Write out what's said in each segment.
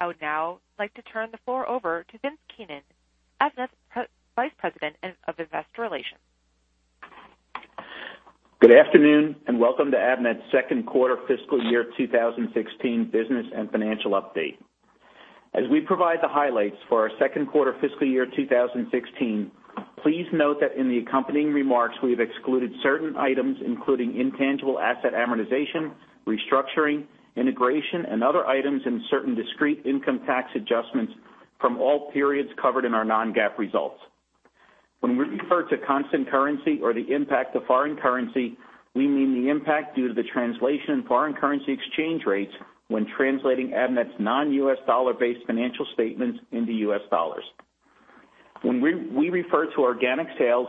I would now like to turn the floor over to Vince Keenan, Avnet's Vice President of Investor Relations. Good afternoon, and welcome to Avnet's second quarter fiscal year 2016 business and financial update. As we provide the highlights for our second quarter fiscal year 2016, please note that in the accompanying remarks, we've excluded certain items, including intangible asset amortization, restructuring, integration, and other items, and certain discrete income tax adjustments from all periods covered in our non-GAAP results. When we refer to constant currency or the impact of foreign currency, we mean the impact due to the translation of foreign currency exchange rates when translating Avnet's non-U.S. dollar-based financial statements into U.S. dollars. When we refer to organic sales,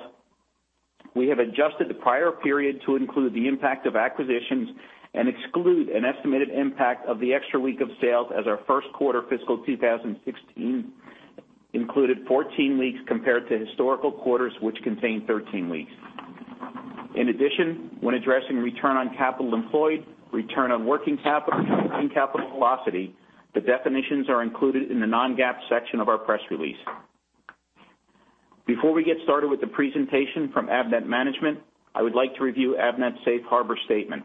we have adjusted the prior period to include the impact of acquisitions and exclude an estimated impact of the extra week of sales as our first quarter fiscal 2016 included 14 weeks, compared to historical quarters, which contained 13 weeks. In addition, when addressing return on capital employed, return on working capital, and capital velocity, the definitions are included in the non-GAAP section of our press release. Before we get started with the presentation from Avnet management, I would like to review Avnet's safe harbor statement.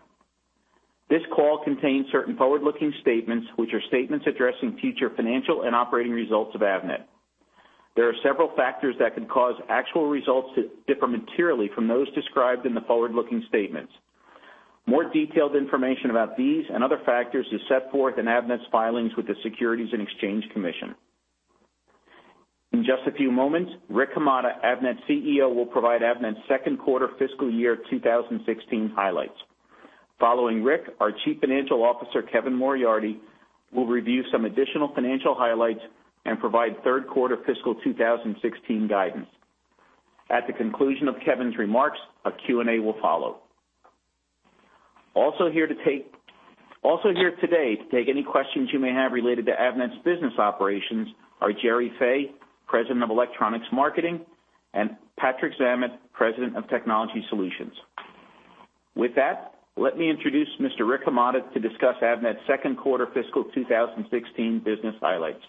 This call contains certain forward-looking statements, which are statements addressing future financial and operating results of Avnet. There are several factors that could cause actual results to differ materially from those described in the forward-looking statements. More detailed information about these and other factors is set forth in Avnet's filings with the Securities and Exchange Commission. In just a few moments, Rick Hamada, Avnet's CEO, will provide Avnet's second quarter fiscal year 2016 highlights. Following Rick, our Chief Financial Officer, Kevin Moriarty, will review some additional financial highlights and provide third quarter fiscal 2016 guidance. At the conclusion of Kevin's remarks, a Q&A will follow. Also here today to take any questions you may have related to Avnet's business operations are Gerry Fay, President of Electronics Marketing, and Patrick Zammit, President of Technology Solutions. With that, let me introduce Mr. Rick Hamada to discuss Avnet's second quarter fiscal 2016 business highlights.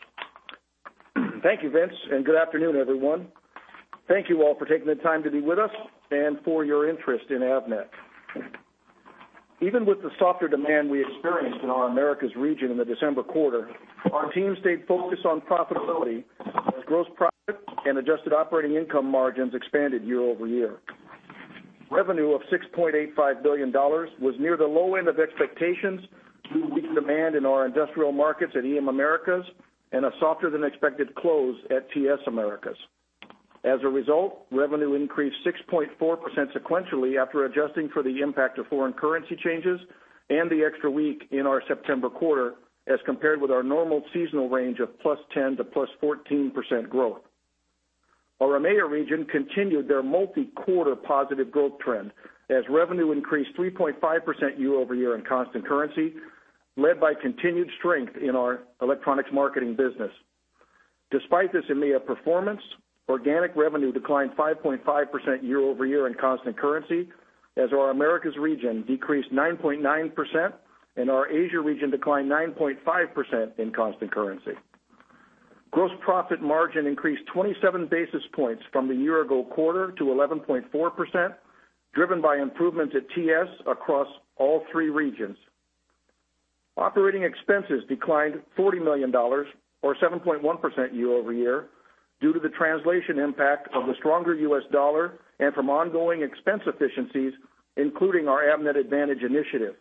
Thank you, Vince, and good afternoon, everyone. Thank you all for taking the time to be with us and for your interest in Avnet. Even with the softer demand we experienced in our Americas region in the December quarter, our team stayed focused on profitability as gross profit and adjusted operating income margins expanded year-over-year. Revenue of $6.85 billion was near the low end of expectations, due to weak demand in our industrial markets at EM Americas and a softer than expected close at TS Americas. As a result, revenue increased 6.4% sequentially, after adjusting for the impact of foreign currency changes and the extra week in our September quarter, as compared with our normal seasonal range of +10% to +14% growth. Our EMEA region continued their multi-quarter positive growth trend, as revenue increased 3.5% year-over-year in constant currency, led by continued strength in our Electronics Marketing business. Despite this EMEA performance, organic revenue declined 5.5% year-over-year in constant currency, as our Americas region decreased 9.9% and our Asia region declined 9.5% in constant currency. Gross profit margin increased 27 basis points from the year ago quarter to 11.4%, driven by improvements at TS across all three regions. Operating expenses declined $40 million or 7.1% year-over-year, due to the translation impact of the stronger U.S. dollar and from ongoing expense efficiencies, including our Avnet Advantage initiative.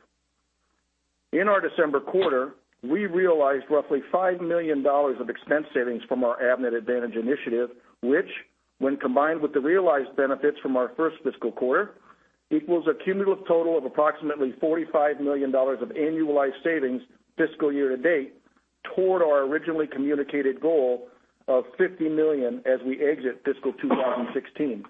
In our December quarter, we realized roughly $5 million of expense savings from our Avnet Advantage initiative, which, when combined with the realized benefits from our first fiscal quarter, equals a cumulative total of approximately $45 million of annualized savings fiscal year to date, toward our originally communicated goal of $50 million as we exit fiscal 2016.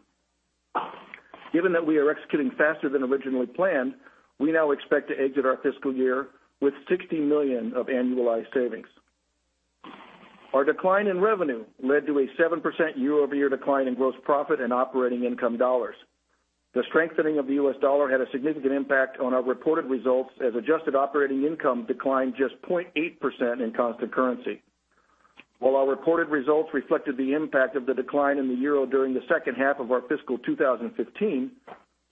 Given that we are executing faster than originally planned, we now expect to exit our fiscal year with $60 million of annualized savings. Our decline in revenue led to a 7% year-over-year decline in gross profit and operating income dollars. The strengthening of the U.S. dollar had a significant impact on our reported results, as adjusted operating income declined just 0.8% in constant currency. While our reported results reflected the impact of the decline in the euro during the second half of our fiscal 2015,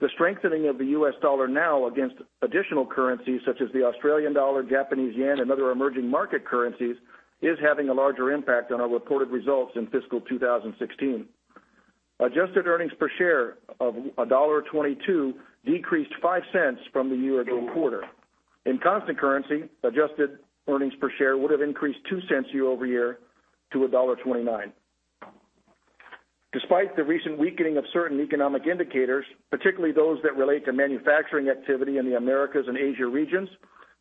the strengthening of the U.S. dollar now against additional currencies, such as the Australian dollar, Japanese yen, and other emerging market currencies, is having a larger impact on our reported results in fiscal 2016. Adjusted earnings per share of $1.22 decreased $0.05 from the year ago quarter. In constant currency, adjusted earnings per share would have increased $0.02 year-over-year to $1.29. Despite the recent weakening of certain economic indicators, particularly those that relate to manufacturing activity in the Americas and Asia regions,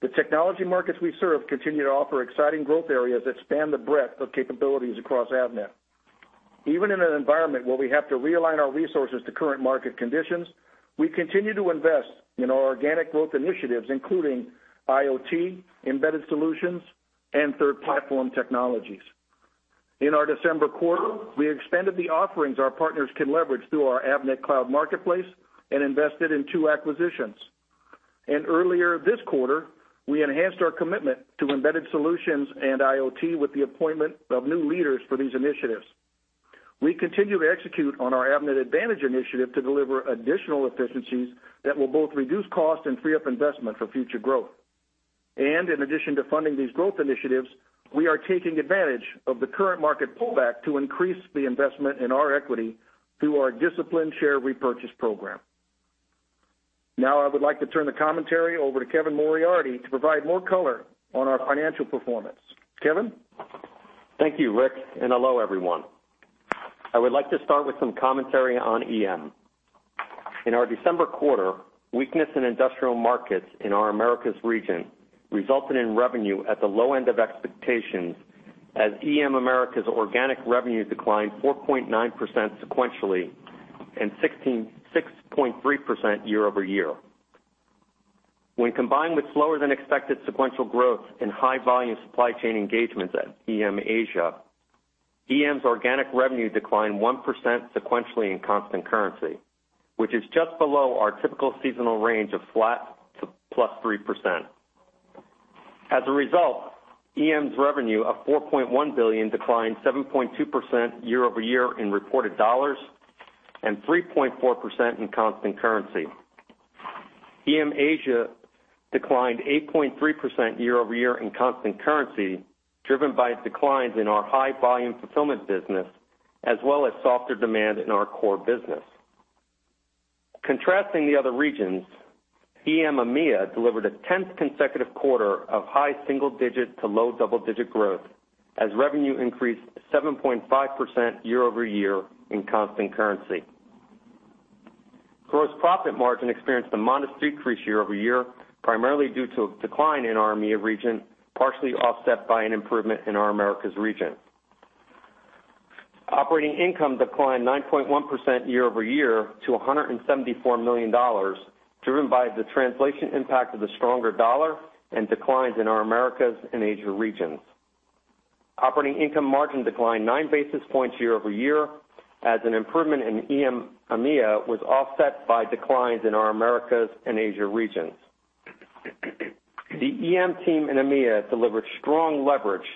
the technology markets we serve continue to offer exciting growth areas that span the breadth of capabilities across Avnet. Even in an environment where we have to realign our resources to current market conditions, we continue to invest in our organic growth initiatives, including IoT, embedded solutions, and Third Platform technologies. In our December quarter, we expanded the offerings our partners can leverage through our Avnet Cloud Marketplace and invested in two acquisitions. Earlier this quarter, we enhanced our commitment to embedded solutions and IoT with the appointment of new leaders for these initiatives. We continue to execute on our Avnet Advantage initiative to deliver additional efficiencies that will both reduce costs and free up investment for future growth. In addition to funding these growth initiatives, we are taking advantage of the current market pullback to increase the investment in our equity through our disciplined share repurchase program. Now I would like to turn the commentary over to Kevin Moriarty to provide more color on our financial performance. Kevin? Thank you, Rick, and hello, everyone. I would like to start with some commentary on EM. In our December quarter, weakness in industrial markets in our Americas region resulted in revenue at the low end of expectations, as EM Americas organic revenue declined 4.9% sequentially and 6.3% year-over-year. When combined with slower than expected sequential growth in high volume supply chain engagements at EM Asia, EM's organic revenue declined 1% sequentially in constant currency, which is just below our typical seasonal range of flat to +3%. As a result, EM's revenue of $4.1 billion declined 7.2% year-over-year in reported dollars and 3.4% in constant currency. EM Asia declined 8.3% year-over-year in constant currency, driven by declines in our high-volume fulfillment business, as well as softer demand in our core business. Contrasting the other regions, EM EMEA delivered a 10th consecutive quarter of high single digit to low double-digit growth, as revenue increased 7.5% year-over-year in constant currency. Gross profit margin experienced a modest decrease year-over-year, primarily due to a decline in our EMEA region, partially offset by an improvement in our Americas region. Operating income declined 9.1% year-over-year to $174 million, driven by the translation impact of the stronger dollar and declines in our Americas and Asia regions. Operating income margin declined 9 basis points year-over-year, as an improvement in EM EMEA was offset by declines in our Americas and Asia regions. The EM team in EMEA delivered strong leverage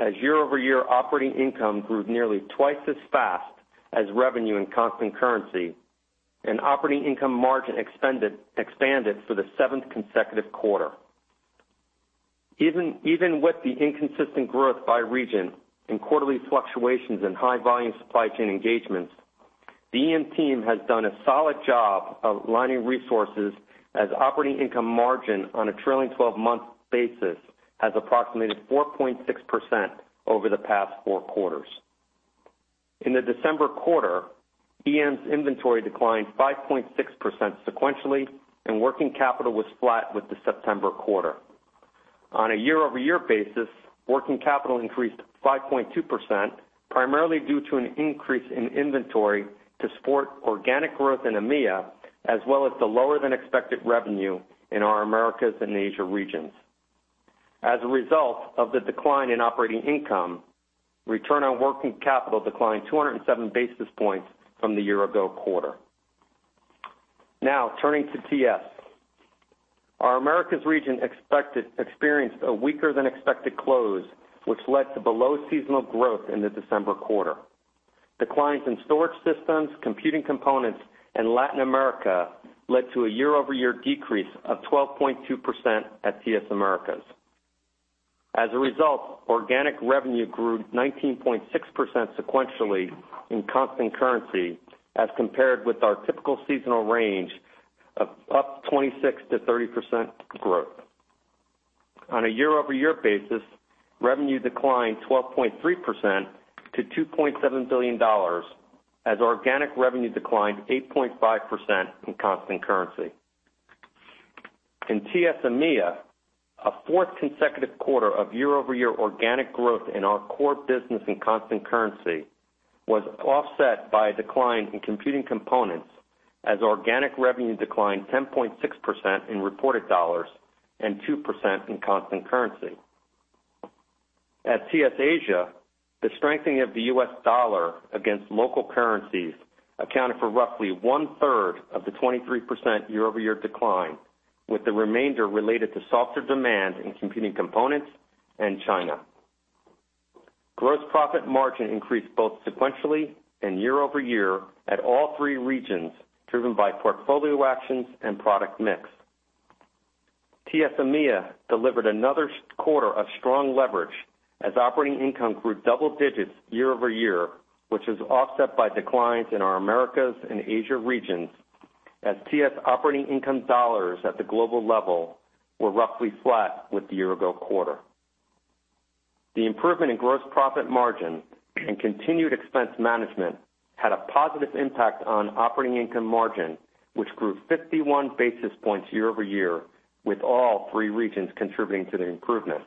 as year-over-year operating income grew nearly twice as fast as revenue in constant currency, and operating income margin expanded for the seventh consecutive quarter. Even with the inconsistent growth by region and quarterly fluctuations in high volume supply chain engagements, the EM team has done a solid job of aligning resources as operating income margin on a trailing 12-month basis has approximated 4.6% over the past four quarters. In the December quarter, EM's inventory declined 5.6% sequentially, and working capital was flat with the September quarter. On a year-over-year basis, working capital increased 5.2%, primarily due to an increase in inventory to support organic growth in EMEA, as well as the lower than expected revenue in our Americas and Asia regions. As a result of the decline in operating income, return on working capital declined 207 basis points from the year ago quarter. Now, turning to TS. Our Americas region experienced a weaker than expected close, which led to below seasonal growth in the December quarter. Declines in storage systems, computing components, and Latin America led to a year-over-year decrease of 12.2% at TS Americas. As a result, organic revenue grew 19.6% sequentially in constant currency as compared with our typical seasonal range of up 26%-30% growth. On a year-over-year basis, revenue declined 12.3% to $2.7 billion, as organic revenue declined 8.5% in constant currency. In TS EMEA, a fourth consecutive quarter of year-over-year organic growth in our core business in constant currency was offset by a decline in computing components, as organic revenue declined 10.6% in reported dollars and 2% in constant currency. At TS Asia, the strengthening of the U.S. dollar against local currencies accounted for roughly 1/3 of the 23% year-over-year decline, with the remainder related to softer demand in computing components and China. Gross profit margin increased both sequentially and year-over-year at all three regions, driven by portfolio actions and product mix. TS EMEA delivered another quarter of strong leverage as operating income grew double digits year-over-year, which was offset by declines in our Americas and Asia regions, as TS operating income dollars at the global level were roughly flat with the year ago quarter. The improvement in gross profit margin and continued expense management had a positive impact on operating income margin, which grew 51 basis points year-over-year, with all three regions contributing to the improvement.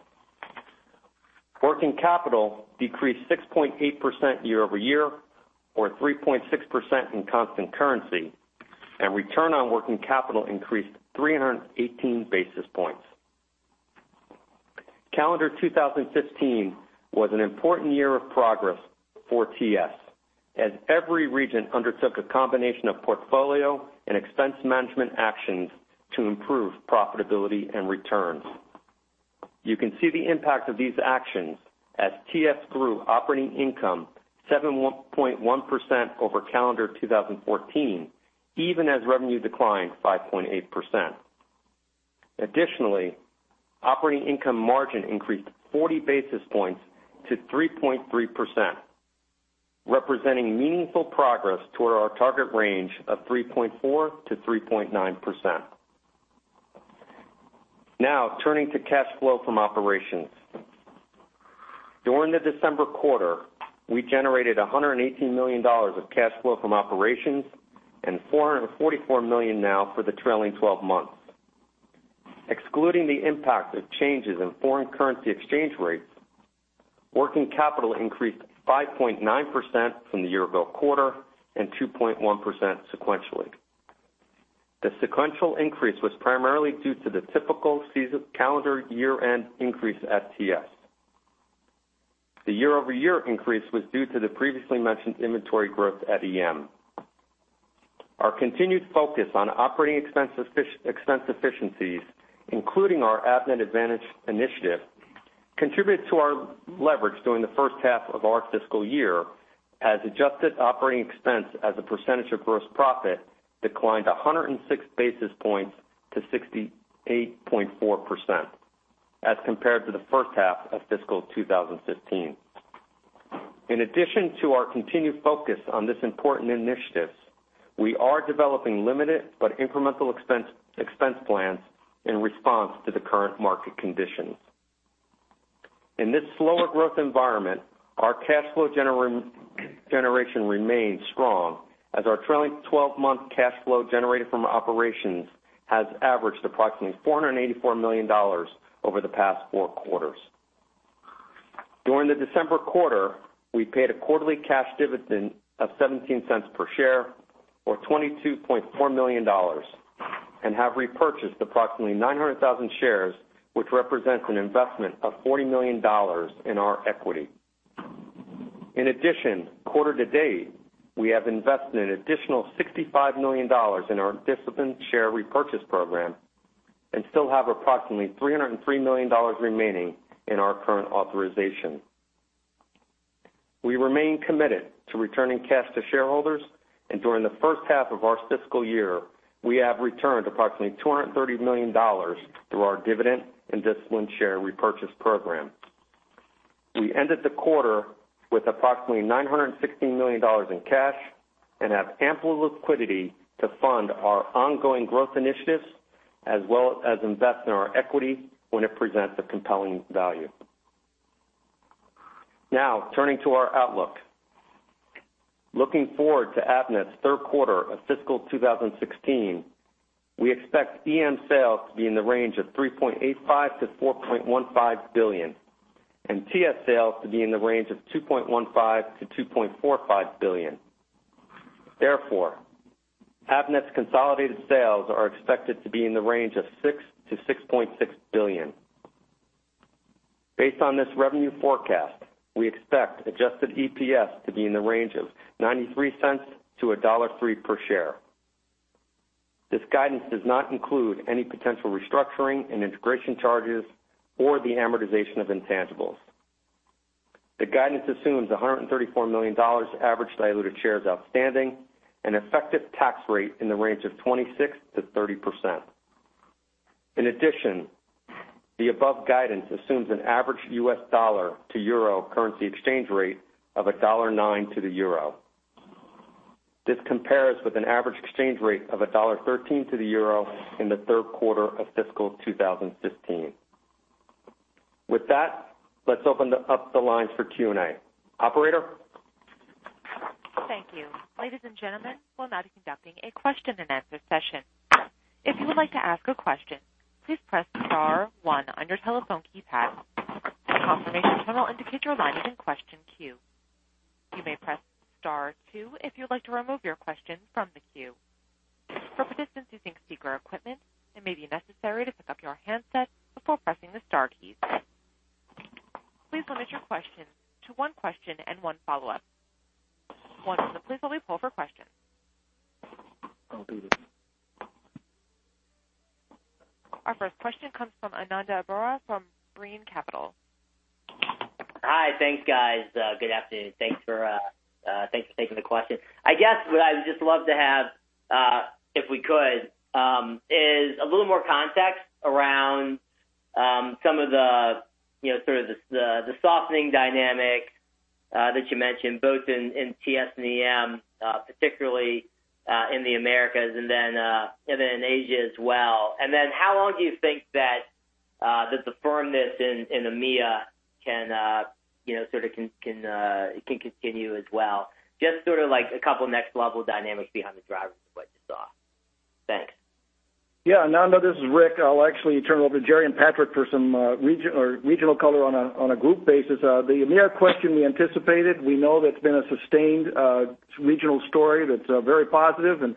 Working capital decreased 6.8% year-over-year, or 3.6% in constant currency, and return on working capital increased 318 basis points. Calendar 2015 was an important year of progress for TS, as every region undertook a combination of portfolio and expense management actions to improve profitability and returns. You can see the impact of these actions as TS grew operating income 7.1% over calendar 2014, even as revenue declined 5.8%. Additionally, operating income margin increased 40 basis points to 3.3%, representing meaningful progress toward our target range of 3.4%-3.9%. Now, turning to cash flow from operations. During the December quarter, we generated $118 million of cash flow from operations and $444 million now for the trailing 12 months. Excluding the impact of changes in foreign currency exchange rates, working capital increased 5.9% from the year-ago quarter and 2.1% sequentially. The sequential increase was primarily due to the typical season, calendar year-end increase at TS. The year-over-year increase was due to the previously mentioned inventory growth at EM. Our continued focus on operating expense efficiencies, including our Avnet Advantage initiative, contributed to our leverage during the first half of our fiscal year, as adjusted operating expense as a percentage of gross profit declined 100 basis points to 68.4% as compared to the first half of fiscal 2015. In addition to our continued focus on this important initiative, we are developing limited but incremental expense plans in response to the current market conditions. In this slower growth environment, our cash flow generation remains strong as our trailing 12-month cash flow generated from operations has averaged approximately $484 million over the past four quarters. During the December quarter, we paid a quarterly cash dividend of $0.17 per share, or $22.4 million, and have repurchased approximately 900,000 shares, which represents an investment of $40 million in our equity. In addition, quarter to date, we have invested an additional $65 million in our disciplined share repurchase program and still have approximately $303 million remaining in our current authorization. We remain committed to returning cash to shareholders, and during the first half of our fiscal year, we have returned approximately $230 million through our dividend and disciplined share repurchase program. We ended the quarter with approximately $916 million in cash and have ample liquidity to fund our ongoing growth initiatives, as well as invest in our equity when it presents a compelling value. Now, turning to our outlook. Looking forward to Avnet's third quarter of fiscal 2016, we expect EM sales to be in the range of $3.85 billion-$4.15 billion and TS sales to be in the range of $2.15 billion-$2.45 billion. Therefore, Avnet's consolidated sales are expected to be in the range of $6 billion-$6.6 billion. Based on this revenue forecast, we expect adjusted EPS to be in the range of $0.93-$1.03 per share. This guidance does not include any potential restructuring and integration charges or the amortization of intangibles. The guidance assumes $134 million average diluted shares outstanding and effective tax rate in the range of 26%-30%. In addition, the above guidance assumes an average U.S. dollar to euro currency exchange rate of $1.09 to the euro. This compares with an average exchange rate of $1.13 to the euro in the third quarter of fiscal 2015. With that, let's open up the lines for Q&A. Operator? Thank you. Ladies and gentlemen, we're now conducting a question-and-answer session. If you would like to ask a question, please press star one on your telephone keypad. A confirmation tone will indicate your line is in question queue. You may press star two if you'd like to remove your question from the queue. For participants using speaker equipment, it may be necessary to pick up your handset before pressing the star keys. Please limit your questions to one question and one follow-up. Once again, please only poll for questions. I'll do this. Our first question comes from Ananda Baruah from Brean Capital. Hi. Thanks, guys. Good afternoon. Thanks for taking the question. I guess what I would just love to have, if we could, is a little more context around some of the, you know, sort of the softening dynamic that you mentioned, both in TS and EM, particularly in the Americas and then in Asia as well. And then how long do you think that the firmness in EMEA can, you know, sort of continue as well? Just sort of like a couple next-level dynamics behind the drivers of what you saw. Thanks. Yeah, Ananda, this is Rick. I'll actually turn it over to Gerry and Patrick for some regional color on a group basis. The EMEA question we anticipated, we know that's been a sustained regional story that's very positive and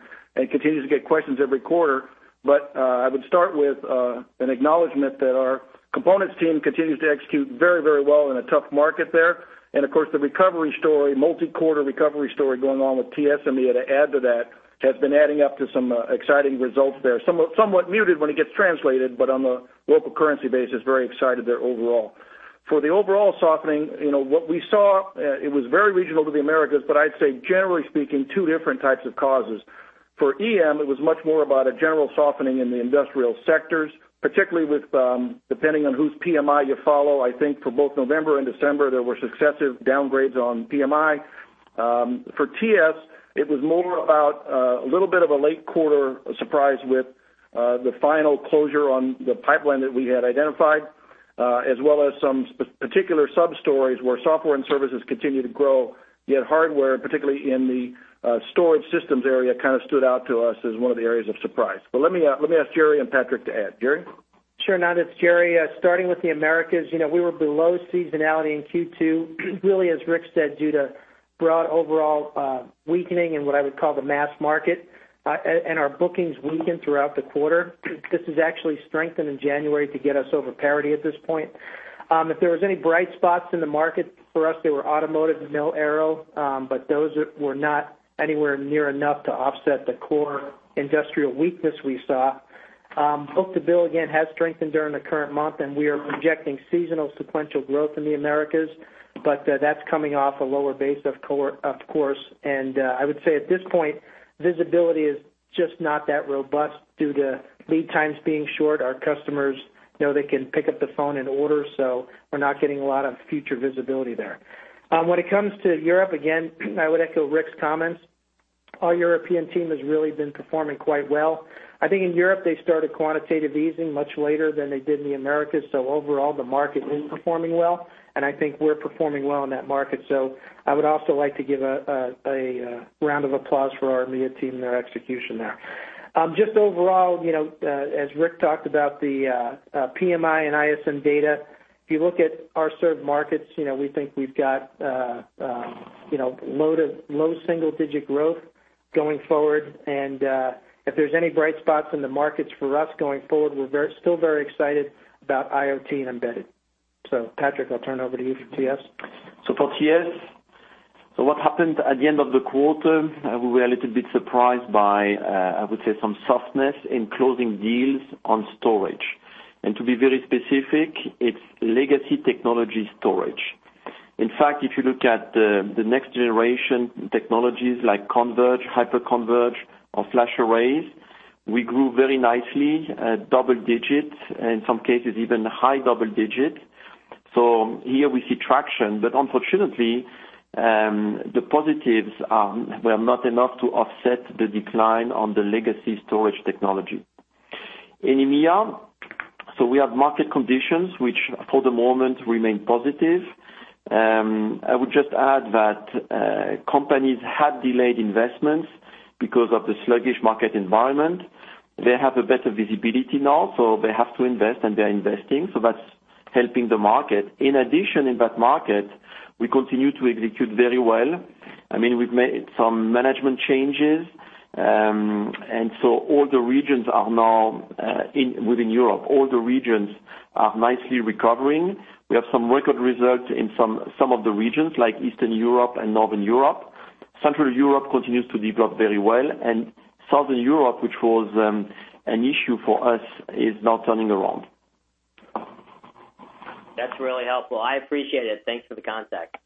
continues to get questions every quarter. But I would start with an acknowledgment that our components team continues to execute very, very well in a tough market there. And of course, the recovery story, multi-quarter recovery story going on with TS and EMEA to add to that, has been adding up to some exciting results there. Somewhat muted when it gets translated, but on the local currency basis, very excited there overall. For the overall softening, you know, what we saw, it was very regional to the Americas, but I'd say generally speaking, two different types of causes. For EM, it was much more about a general softening in the industrial sectors, particularly with, depending on whose PMI you follow, I think for both November and December, there were successive downgrades on PMI. For TS, it was more about, a little bit of a late quarter surprise with, the final closure on the pipeline that we had identified, as well as some particular sub stories where software and services continue to grow, yet hardware, particularly in the, storage systems area, kind of stood out to us as one of the areas of surprise. But let me let me ask Gerry and Patrick to add. Gerry? Sure, Ananda, it's Gerry. Starting with the Americas, you know, we were below seasonality in Q2, really, as Rick said, due to broad overall weakening in what I would call the mass market, and our bookings weakened throughout the quarter. This has actually strengthened in January to get us over parity at this point. If there was any bright spots in the market for us, they were automotive and Mil/Aero, but those were not anywhere near enough to offset the core industrial weakness we saw. Book-to-bill, again, has strengthened during the current month, and we are projecting seasonal sequential growth in the Americas, but that's coming off a lower base, of course. I would say at this point, visibility is just not that robust due to lead times being short. Our customers know they can pick up the phone and order, so we're not getting a lot of future visibility there. When it comes to Europe, again, I would echo Rick's comments. Our European team has really been performing quite well. I think in Europe, they started quantitative easing much later than they did in the Americas, so overall, the market is performing well, and I think we're performing well in that market. So I would also like to give a round of applause for our EMEA team and their execution there. Just overall, you know, as Rick talked about the PMI and ISM data, if you look at our served markets, you know, we think we've got load of low single digit growth going forward. And, if there's any bright spots in the markets for us going forward, we're still very excited about IoT and embedded. So, Patrick, I'll turn it over to you for TS. For TS, what happened at the end of the quarter, we were a little bit surprised by, I would say, some softness in closing deals on storage. And to be very specific, it's legacy technology storage. In fact, if you look at the next generation technologies like converged, hyper-converged or flash arrays, we grew very nicely at double digits, in some cases, even high double digits. So here we see traction, but unfortunately, the positives were not enough to offset the decline on the legacy storage technology. In EMEA, we have market conditions which for the moment remain positive. I would just add that companies had delayed investments because of the sluggish market environment. They have a better visibility now, so they have to invest, and they are investing, so that's helping the market. In addition, in that market, we continue to execute very well. I mean, we've made some management changes, and so all the regions are now within Europe, all the regions are nicely recovering. We have some record results in some, some of the regions, like Eastern Europe and Northern Europe. Central Europe continues to develop very well, and Southern Europe, which was an issue for us, is now turning around. That's really helpful. I appreciate it. Thanks for the contact.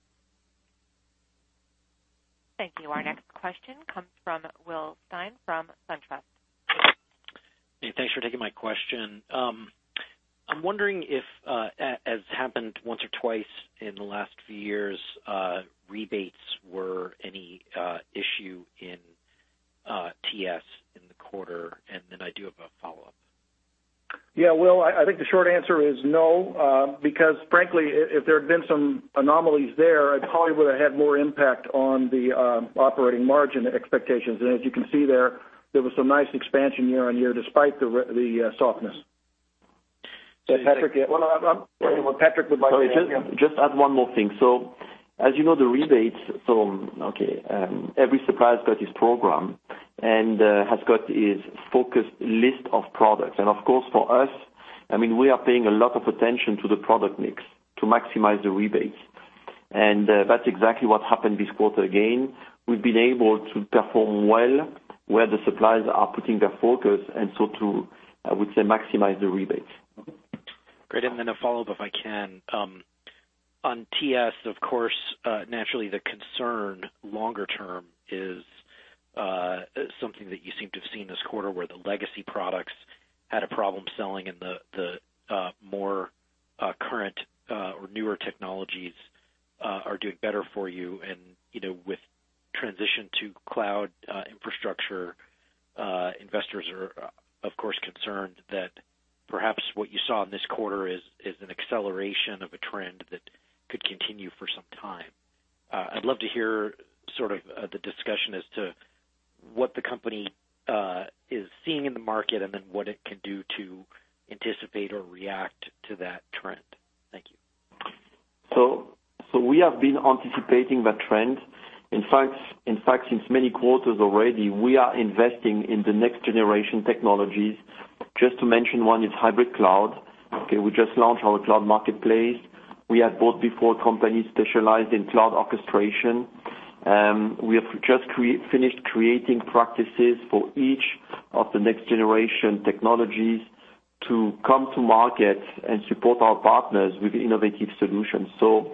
Thank you. Our next question comes from Will Stein from SunTrust. Hey, thanks for taking my question. I'm wondering if, as happened once or twice in the last few years, rebates were any issue in TS in the quarter? And then I do have a follow-up. Yeah, Will, I think the short answer is no, because frankly, if there had been some anomalies there, it probably would have had more impact on the operating margin expectations. And as you can see there, there was some nice expansion year-on-year, despite the softness. So Patrick, well, Patrick, would like to add something. Just add one more thing. So as you know, the rebates, so okay, every supplier has got his program and, has got his focused list of products. And of course, for us, I mean, we are paying a lot of attention to the product mix to maximize the rebates. And, that's exactly what happened this quarter again. We've been able to perform well, where the suppliers are putting their focus, and so to, I would say, maximize the rebates. Great. And then a follow-up, if I can. On TS, of course, naturally, the concern longer term is something that you seem to have seen this quarter, where the legacy products had a problem selling and the more current or newer technologies are doing better for you. And, you know, with transition to cloud infrastructure, investors are, of course, concerned that perhaps what you saw in this quarter is an acceleration of a trend that could continue for some time. I'd love to hear sort of the discussion as to what the company is seeing in the market and then what it can do to anticipate or react to that trend. Thank you. We have been anticipating that trend. In fact, since many quarters already, we are investing in the next generation technologies. Just to mention, one is hybrid cloud. Okay, we just launched our cloud marketplace. We have bought before companies specialized in cloud orchestration, and we have just finished creating practices for each of the next generation technologies to come to market and support our partners with innovative solutions. So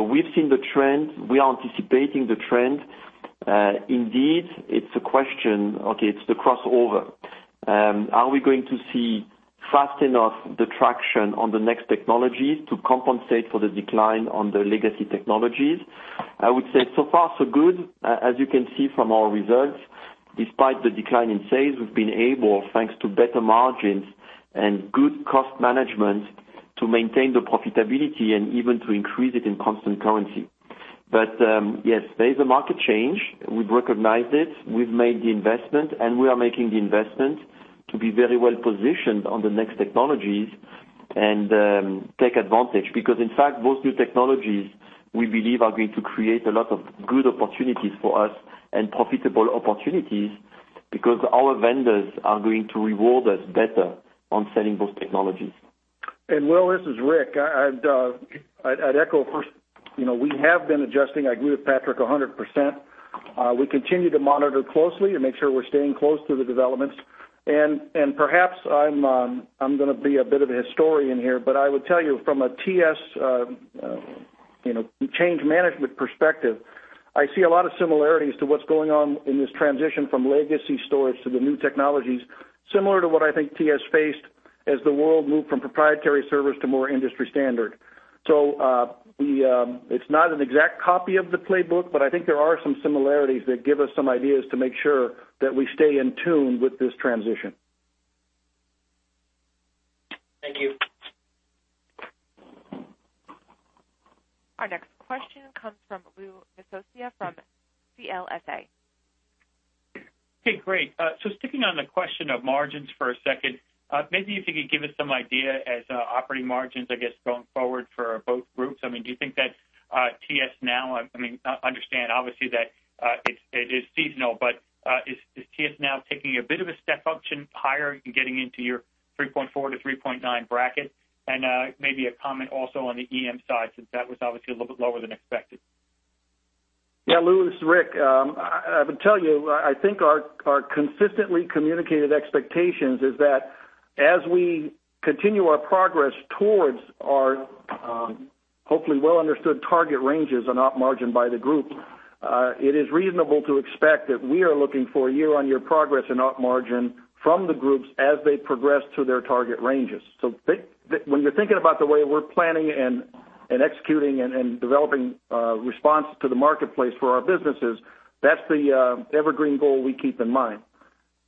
we've seen the trend. We are anticipating the trend. Indeed, it's a question, okay, it's the crossover. Are we going to see fast enough the traction on the next technologies to compensate for the decline on the legacy technologies? I would say, so far, so good. As you can see from our results, despite the decline in sales, we've been able, thanks to better margins and good cost management, to maintain the profitability and even to increase it in constant currency. But, yes, there is a market change. We've recognized it, we've made the investment, and we are making the investment to be very well positioned on the next technologies and, take advantage. Because, in fact, those new technologies, we believe are going to create a lot of good opportunities for us and profitable opportunities because our vendors are going to reward us better on selling those technologies. And Will, this is Rick. I'd echo first, you know, we have been adjusting. I agree with Patrick 100%. We continue to monitor closely and make sure we're staying close to the developments. And perhaps I'm gonna be a bit of a historian here, but I would tell you from a TS change management perspective, you know, I see a lot of similarities to what's going on in this transition from legacy storage to the new technologies, similar to what I think TS faced as the world moved from proprietary servers to more industry standard. So, it's not an exact copy of the playbook, but I think there are some similarities that give us some ideas to make sure that we stay in tune with this transition. Thank you. Our next question comes from Louis Miscioscia from CLSA. Okay, great. So sticking on the question of margins for a second, maybe if you could give us some idea as operating margins, I guess, going forward for both groups. I mean, do you think that TS now, I mean, I understand obviously that it is seasonal, but is TS now taking a bit of a step function higher in getting into your 3.4%-3.9% bracket? And maybe a comment also on the EM side, since that was obviously a little bit lower than expected. Yeah, Lou, this is Rick. I would tell you, I think our consistently communicated expectations is that as we continue our progress towards our hopefully well understood target ranges on op margin by the group, it is reasonable to expect that we are looking for a year-on-year progress in op margin from the groups as they progress to their target ranges. So when you're thinking about the way we're planning and executing and developing response to the marketplace for our businesses, that's the evergreen goal we keep in mind.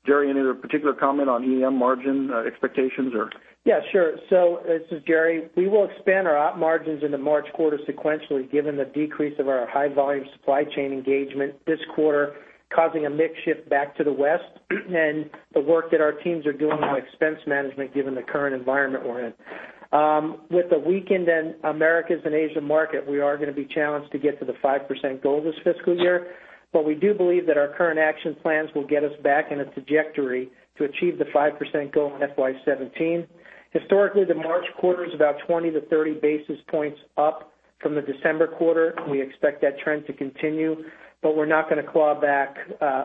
Gerry, any particular comment on EM margin expectations or? Yeah, sure. So this is Gerry. We will expand our op margins in the March quarter sequentially, given the decrease of our high volume supply chain engagement this quarter, causing a mix shift back to the West, and the work that our teams are doing on expense management, given the current environment we're in. With the weakened in the Americas and Asia market, we are gonna be challenged to get to the 5% goal this fiscal year, but we do believe that our current action plans will get us back in a trajectory to achieve the 5% goal in FY 2017. Historically, the March quarter is about 20-30 basis points up from the December quarter. We expect that trend to continue, but we're not gonna claw back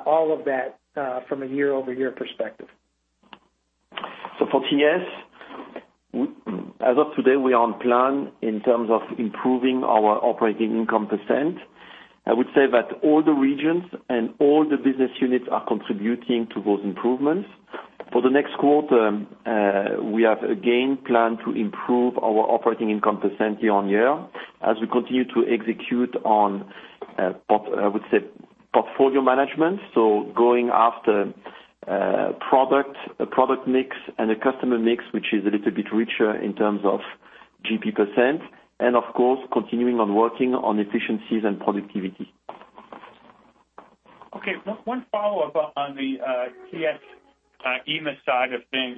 all of that from a year-over-year perspective. So for TS, as of today, we are on plan in terms of improving our operating income percent. I would say that all the regions and all the business units are contributing to those improvements. For the next quarter, we have again planned to improve our operating income percent year-on-year, as we continue to execute on, I would say, portfolio management, so going after product, a product mix, and a customer mix, which is a little bit richer in terms of GP percent, and of course, continuing on working on efficiencies and productivity. Okay, one follow-up on the TS EMEA side of things.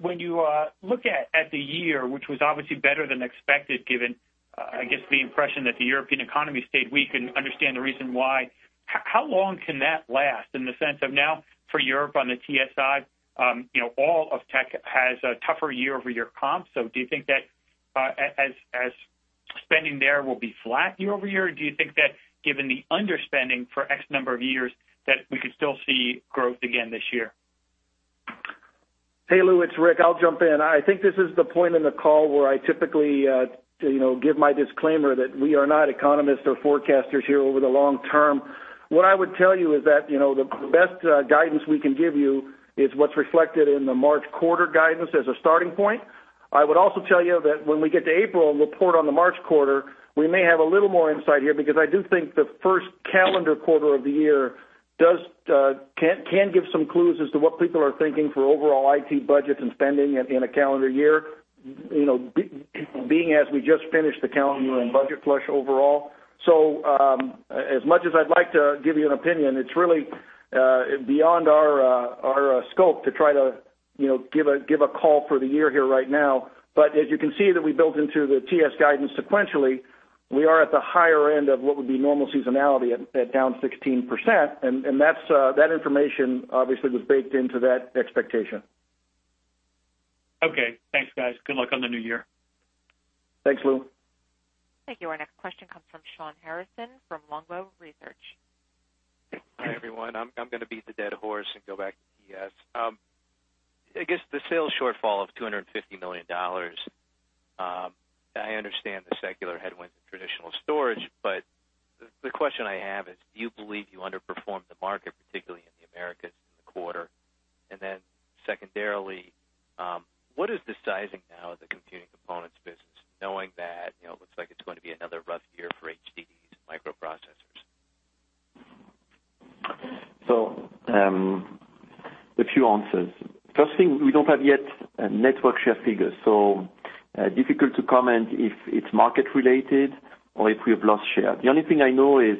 When you look at the year, which was obviously better than expected, given I guess the impression that the European economy stayed weak and understand the reason why, how long can that last? In the sense of now for Europe on the TS side, you know, all of tech has a tougher year-over-year comp. So do you think that as spending there will be flat year-over-year, or do you think that given the underspending for X number of years, that we could still see growth again this year? Hey, Lou, it's Rick. I'll jump in. I think this is the point in the call where I typically, you know, give my disclaimer that we are not economists or forecasters here over the long term. What I would tell you is that, you know, the best guidance we can give you is what's reflected in the March quarter guidance as a starting point. I would also tell you that when we get to April and report on the March quarter, we may have a little more insight here, because I do think the first calendar quarter of the year can give some clues as to what people are thinking for overall IT budgets and spending in a calendar year, you know, being as we just finished the calendar and budget flush overall. So, as much as I'd like to give you an opinion, it's really beyond our scope to try to, you know, give a call for the year here right now. But as you can see that we built into the TS guidance sequentially, we are at the higher end of what would be normal seasonality at down 16%, and that's that information obviously was baked into that expectation. Okay. Thanks, guys. Good luck on the new year. Thanks, Lou. Thank you. Our next question comes from Shawn Harrison from Longbow Research. Hi, everyone. I'm gonna beat the dead horse and go back to TS. I guess, the sales shortfall of $250 million, I understand the secular headwinds in traditional storage, but the question I have is: Do you believe you underperformed the market, particularly in the Americas, in the quarter? And then secondarily, what is the sizing now of the computing components business, knowing that, you know, it looks like it's going to be another rough year for HDDs and microprocessors? A few answers. First thing, we don't have market share figures yet, so it's difficult to comment if it's market related or if we have lost share. The only thing I know is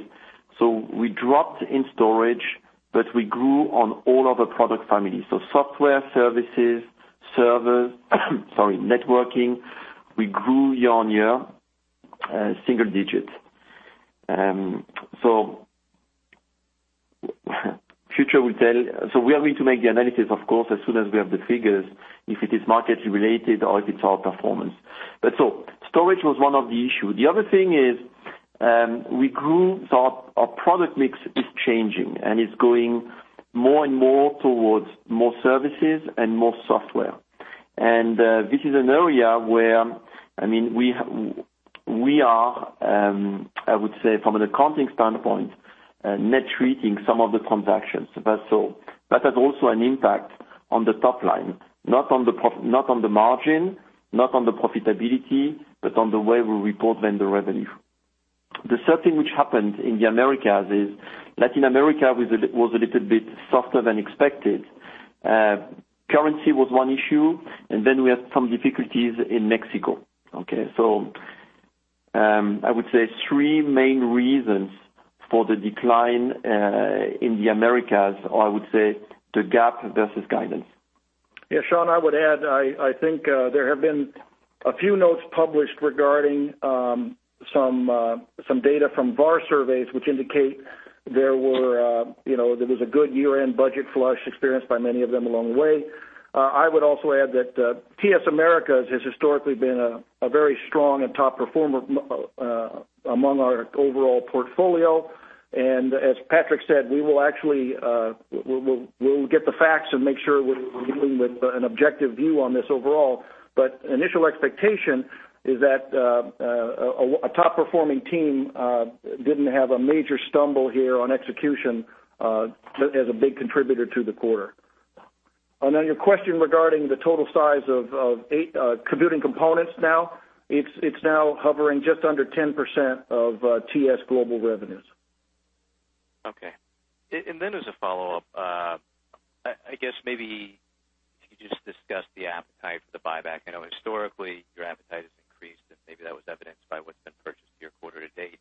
we dropped in storage, but we grew on all other product families. Software, services, servers, sorry, networking, we grew year-on-year single digits. Future will tell. We are going to make the analysis, of course, as soon as we have the figures, if it is market related or if it's our performance. But storage was one of the issue. The other thing is we grew, so our product mix is changing, and it's going more and more towards more services and more software. This is an area where, I mean, we are, I would say from an accounting standpoint, net treating some of the transactions. So that's all. That has also an impact on the top line, not on the margin, not on the profitability, but on the way we report vendor revenue. The third thing which happened in the Americas is Latin America was a little bit softer than expected. Currency was one issue, and then we had some difficulties in Mexico, okay? So, I would say three main reasons for the decline in the Americas, or I would say, the gap versus guidance. Yeah, Shawn, I would add, I think, there have been a few notes published regarding, some data from VAR surveys, which indicate there were, you know, there was a good year-end budget flush experienced by many of them along the way. I would also add that, TS Americas has historically been a very strong and top performer among our overall portfolio. And as Patrick said, we will actually, we'll get the facts and make sure we're dealing with an objective view on this overall. But initial expectation is that, a top performing team didn't have a major stumble here on execution, as a big contributor to the quarter. Then your question regarding the total size of eight computing components now. It's now hovering just under 10% of TS global revenues. Okay. And then as a follow-up, I guess maybe you just discussed the appetite for the buyback. I know historically, your appetite has increased, and maybe that was evidenced by what's been purchased year quarter to date.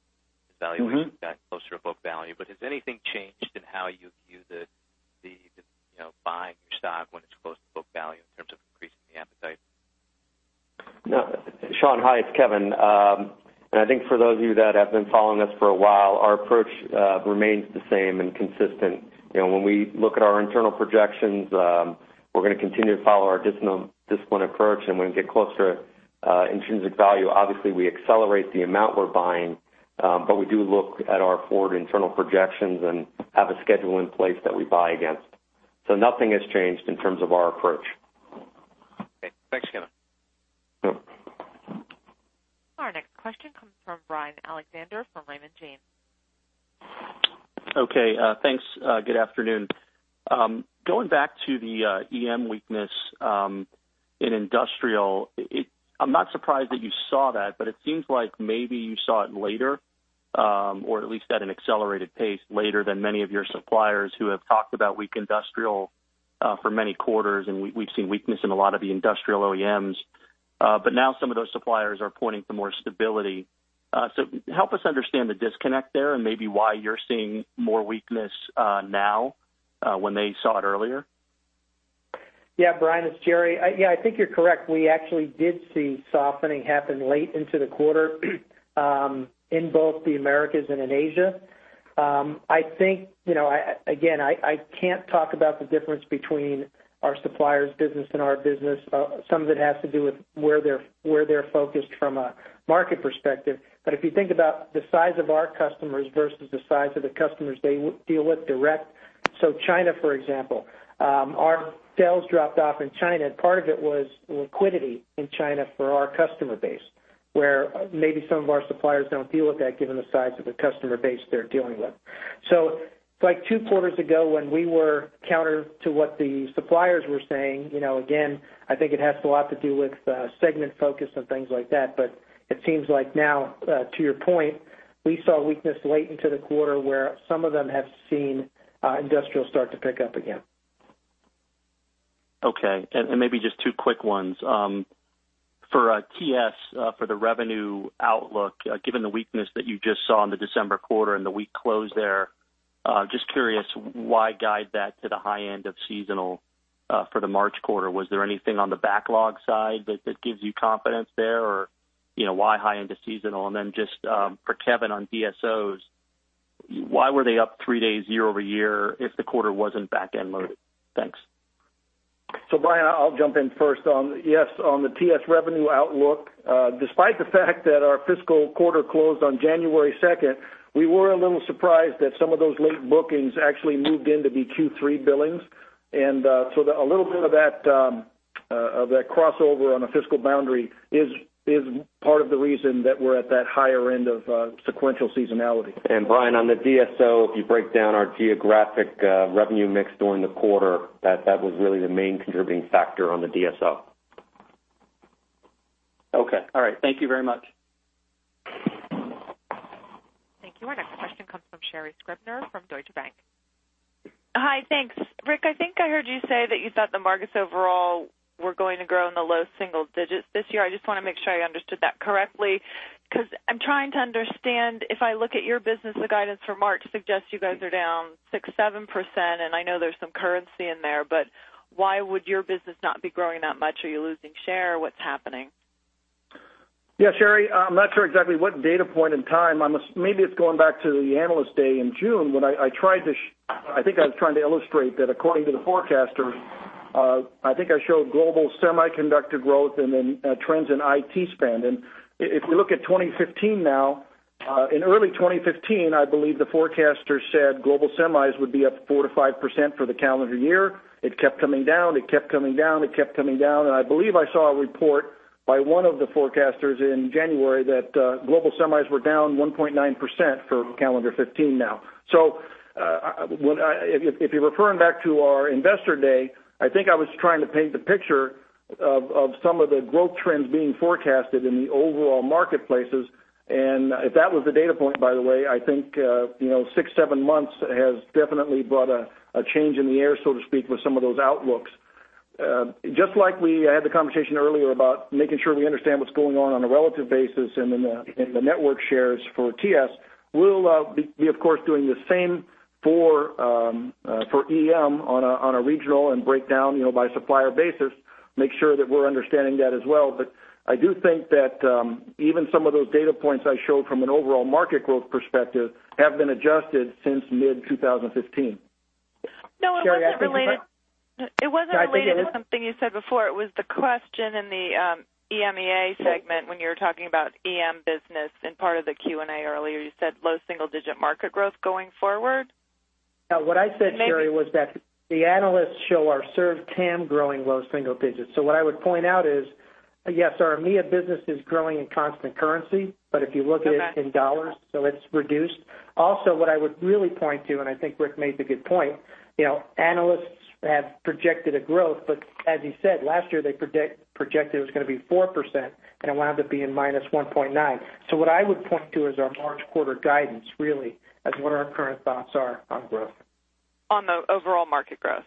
Mm-hmm. Valuation got closer to book value. But has anything changed in how you view the you know, buying your stock when it's close to book value in terms of increasing the appetite? No, Shawn. Hi, it's Kevin. I think for those of you that have been following us for a while, our approach remains the same and consistent. You know, when we look at our internal projections, we're gonna continue to follow our disciplined approach, and when we get closer to intrinsic value, obviously, we accelerate the amount we're buying, but we do look at our forward internal projections and have a schedule in place that we buy against. So nothing has changed in terms of our approach. Okay. Thanks, Kevin. Yep. Our next question comes from Brian Alexander from Raymond James. Okay, thanks. Good afternoon. Going back to the EM weakness in industrial, I'm not surprised that you saw that, but it seems like maybe you saw it later, or at least at an accelerated pace later than many of your suppliers who have talked about weak industrial for many quarters, and we've seen weakness in a lot of the industrial OEMs. But now some of those suppliers are pointing to more stability. So help us understand the disconnect there and maybe why you're seeing more weakness now, when they saw it earlier? Yeah, Brian, it's Gerry. Yeah, I think you're correct. We actually did see softening happen late into the quarter in both the Americas and in Asia. I think, you know, again, I can't talk about the difference between our suppliers' business and our business. Some of it has to do with where they're focused from a market perspective. But if you think about the size of our customers versus the size of the customers they deal with direct. So China, for example, our sales dropped off in China, and part of it was liquidity in China for our customer base, where maybe some of our suppliers don't deal with that given the size of the customer base they're dealing with. So like two quarters ago, when we were counter to what the suppliers were saying, you know, again, I think it has a lot to do with segment focus and things like that, but it seems like now, to your point, we saw weakness late into the quarter where some of them have seen industrial start to pick up again. Okay, and maybe just two quick ones. For TS, for the revenue outlook, given the weakness that you just saw in the December quarter and the weak close there, just curious, why guide that to the high end of seasonal, for the March quarter? Was there anything on the backlog side that gives you confidence there? Or, you know, why high end of seasonal? And then just, for Kevin, on DSOs, why were they up three days year-over-year if the quarter wasn't back-end loaded? Thanks. So, Brian, I'll jump in first on. Yes, on the TS revenue outlook. Despite the fact that our fiscal quarter closed on January 2, we were a little surprised that some of those late bookings actually moved into Q3 billings. So a little bit of that of that crossover on a fiscal boundary is part of the reason that we're at that higher end of sequential seasonality. Brian, on the DSO, if you break down our geographic revenue mix during the quarter, that was really the main contributing factor on the DSO. Okay. All right. Thank you very much. Thank you. Our next question comes from Sherri Scribner from Deutsche Bank. Hi. Thanks. Rick, I think I heard you say that you thought the markets overall were going to grow in the low single digits this year. I just want to make sure I understood that correctly, because I'm trying to understand, if I look at your business, the guidance for March suggests you guys are down 6%-7%, and I know there's some currency in there, but why would your business not be growing that much? Are you losing share? What's happening? Yeah, Sherri, I'm not sure exactly what data point in time. Maybe it's going back to the Analyst Day in June when I tried to show. I think I was trying to illustrate that according to the forecasters, I think I showed global semiconductor growth and then trends in IT spend. And if we look at 2015 now, in early 2015, I believe the forecaster said global semis would be up 4%-5% for the calendar year. It kept coming down, it kept coming down, it kept coming down. And I believe I saw a report by one of the forecasters in January that global semis were down 1.9% for calendar 2015 now. So, when I. If, if you're referring back to our Investor Day, I think I was trying to paint the picture of, of some of the growth trends being forecasted in the overall marketplaces. And if that was the data point, by the way, I think, you know, six, seven months has definitely brought a change in the air, so to speak, with some of those outlooks. Just like we had the conversation earlier about making sure we understand what's going on on a relative basis and in the, in the market shares for TS, we'll be, of course, doing the same for EM on a regional breakdown, you know, by supplier basis, make sure that we're understanding that as well. But I do think that, even some of those data points I showed from an overall market growth perspective have been adjusted since mid-2015. No, it wasn't related. Sherri, I think that. It wasn't related. I think it is. To something you said before. It was the question in the EMEA segment, when you were talking about EM business in part of the Q&A earlier, you said low single digit market growth going forward? Yeah, what I said, Sherri, was that the analysts show our served TAM growing low single digits. So what I would point out is, yes, our EMEA business is growing in constant currency, but if you look at it in dollars, so it's reduced. Also, what I would really point to, and I think Rick made the good point, you know, analysts have projected a growth, but as he said, last year, they projected it was going to be 4%, and it wound up being -1.9%. So what I would point to is our March quarter guidance, really, as what our current thoughts are on growth. On the overall market growth?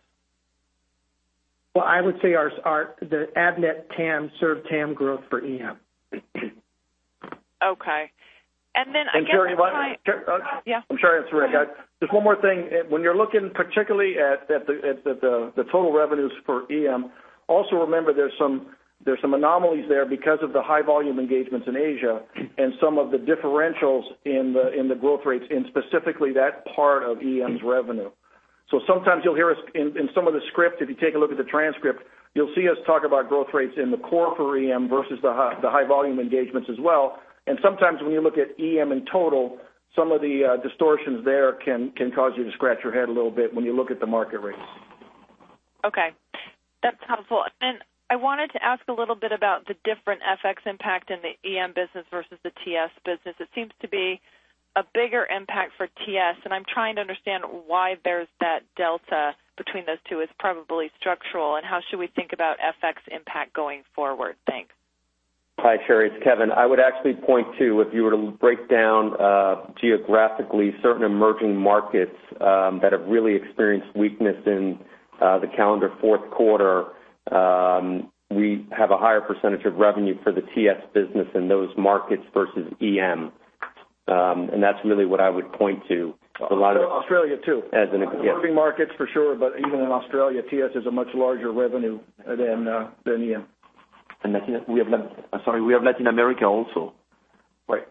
Well, I would say the Avnet TAM served TAM growth for EM. Okay. And then I guess my. And Sherri, what. Yeah. I'm sorry. It's Rick. Just one more thing. When you're looking particularly at the total revenues for EM, also remember, there's some anomalies there because of the high volume engagements in Asia and some of the differentials in the growth rates in specifically that part of EM's revenue. So sometimes you'll hear us in some of the script, if you take a look at the transcript, you'll see us talk about growth rates in the core for EM versus the high volume engagements as well. And sometimes when you look at EM in total, some of the distortions there can cause you to scratch your head a little bit when you look at the market rates. Okay, that's helpful. I wanted to ask a little bit about the different FX impact in the EM business versus the TS business. It seems to be a bigger impact for TS, and I'm trying to understand why there's that delta between those two. It's probably structural, and how should we think about FX impact going forward? Thanks. Hi, Sherri, it's Kevin. I would actually point to, if you were to break down geographically, certain emerging markets that have really experienced weakness in the calendar fourth quarter, we have a higher percentage of revenue for the TS business in those markets versus EM. And that's really what I would point to a lot of. Australia, too. As an, yes. Emerging markets for sure, but even in Australia, TS is a much larger revenue than EM. And Latin, I'm sorry, we have Latin America also. Right.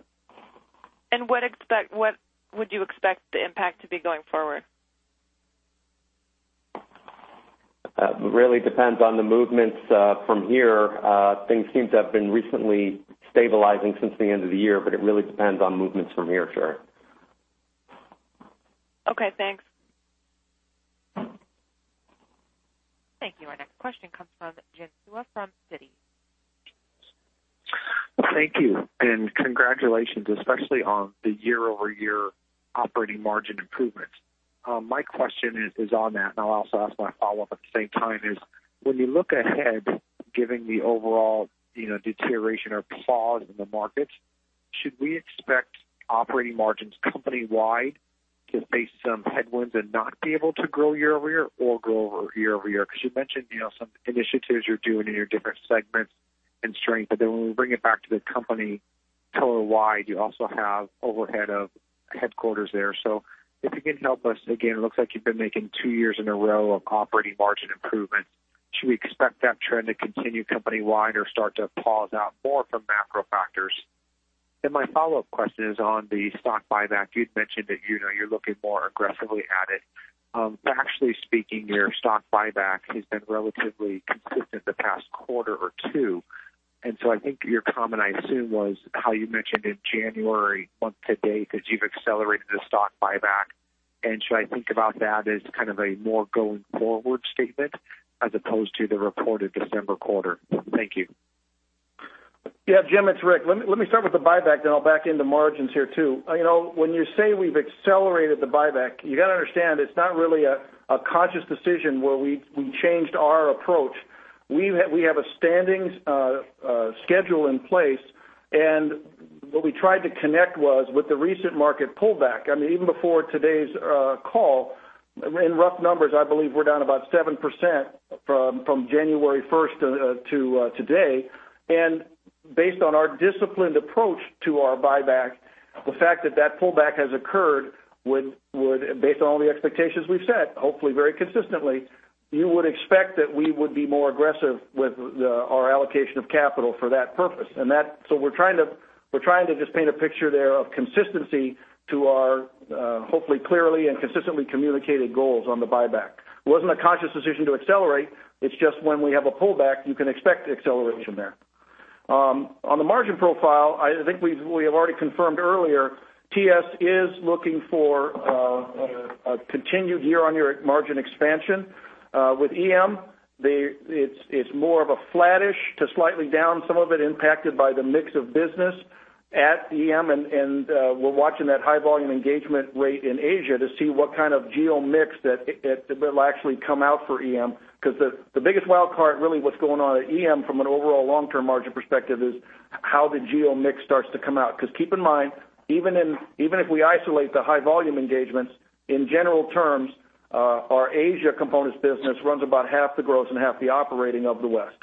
What would you expect the impact to be going forward? Really depends on the movements from here. Things seem to have been recently stabilizing since the end of the year, but it really depends on movements from here, Sherri. Okay, thanks. Thank you. Our next question comes from Jim Suva from Citi. Thank you, and congratulations, especially on the year-over-year operating margin improvement. My question is on that, and I'll also ask my follow-up at the same time, when you look ahead, given the overall, you know, deterioration or pause in the markets. Should we expect operating margins company-wide to face some headwinds and not be able to grow year-over-year or grow year-over-year? Because you mentioned, you know, some initiatives you're doing in your different segments and strength, but then when we bring it back to the company-wide, you also have overhead of headquarters there. So if you can help us, again, it looks like you've been making two years in a row of operating margin improvement. Should we expect that trend to continue company-wide or start to pause out more from macro factors? And my follow-up question is on the stock buyback. You'd mentioned that, you know, you're looking more aggressively at it. Factually speaking, your stock buyback has been relatively consistent the past quarter or two, and so I think your comment, I assume, was how you mentioned in January month to date, that you've accelerated the stock buyback. And should I think about that as kind of a more going forward statement as opposed to the reported December quarter? Thank you. Yeah, Jim, it's Rick. Let me start with the buyback, then I'll back into margins here, too. You know, when you say we've accelerated the buyback, you got to understand it's not really a conscious decision where we changed our approach. We have a standing schedule in place, and what we tried to connect was with the recent market pullback. I mean, even before today's call, in rough numbers, I believe we're down about 7% from January 1st to today. And based on our disciplined approach to our buyback, the fact that that pullback has occurred would, based on all the expectations we've set, hopefully very consistently, you would expect that we would be more aggressive with our allocation of capital for that purpose. And that. So we're trying to just paint a picture there of consistency to our, hopefully, clearly and consistently communicated goals on the buyback. It wasn't a conscious decision to accelerate. It's just when we have a pullback, you can expect acceleration there. On the margin profile, I think we've already confirmed earlier, TS is looking for a continued year-on-year margin expansion. With EM, it's more of a flattish to slightly down, some of it impacted by the mix of business at EM. And we're watching that high volume engagement rate in Asia to see what kind of geo mix that will actually come out for EM, because the biggest wild card, really, what's going on at EM from an overall long-term margin perspective is how the geo mix starts to come out. Because keep in mind, even if we isolate the high volume engagements, in general terms, our Asia components business runs about half the gross and half the operating of the West.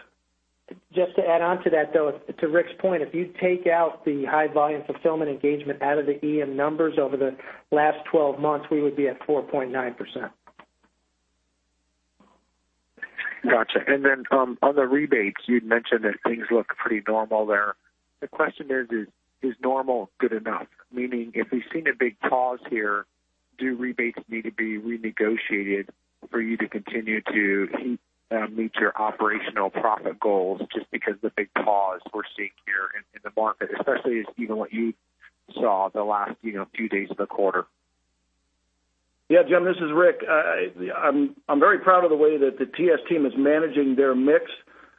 Just to add on to that, though, to Rick's point, if you take out the high volume fulfillment engagement out of the EM numbers over the last 12 months, we would be at 4.9%. Gotcha. And then, on the rebates, you'd mentioned that things look pretty normal there. The question is: Is normal good enough? Meaning, if we've seen a big pause here, do rebates need to be renegotiated for you to continue to keep meet your operational profit goals just because the big pause we're seeing here in the market, especially given what you saw the last, you know, few days of the quarter? Yeah, Jim, this is Rick. I'm very proud of the way that the TS team is managing their mix,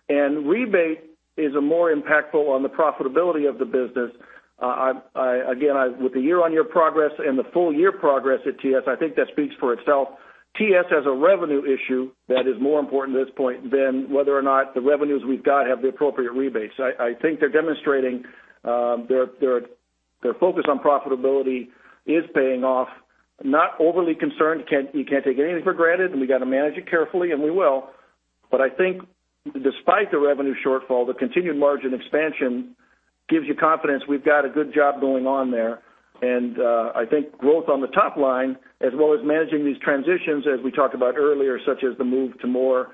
and rebate is more impactful on the profitability of the business. Again, with the year-on-year progress and the full year progress at TS, I think that speaks for itself. TS has a revenue issue that is more important at this point than whether or not the revenues we've got have the appropriate rebates. I think they're demonstrating their focus on profitability is paying off. Not overly concerned. You can't take anything for granted, and we got to manage it carefully, and we will. But I think despite the revenue shortfall, the continued margin expansion gives you confidence we've got a good job going on there. And, I think growth on the top line, as well as managing these transitions, as we talked about earlier, such as the move to more,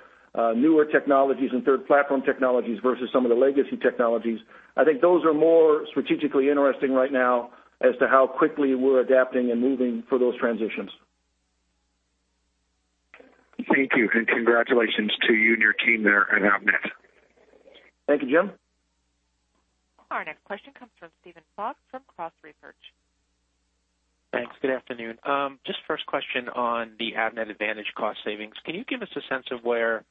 newer technologies and Third Platform technologies versus some of the legacy technologies, I think those are more strategically interesting right now as to how quickly we're adapting and moving for those transitions. Thank you, and congratulations to you and your team there at Avnet. Thank you, Jim. Our next question comes from Steven Fox from Cross Research. Thanks. Good afternoon. Just first question on the Avnet Advantage cost savings. Can you give us a sense of where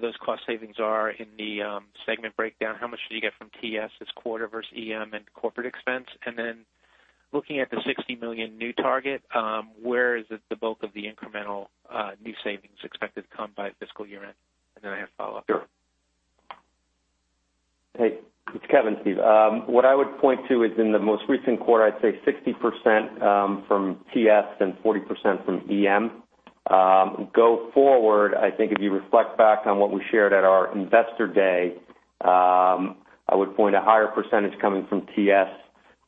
those cost savings are in the segment breakdown? How much did you get from TS this quarter versus EM and corporate expense? And then looking at the $60 million new target, where is the bulk of the incremental new savings expected to come by fiscal year-end? And then I have a follow-up. Sure. Hey, it's Kevin, Steve. What I would point to is in the most recent quarter, I'd say 60% from TS and 40% from EM. Go forward, I think if you reflect back on what we shared at our investor day, I would point a higher percentage coming from TS.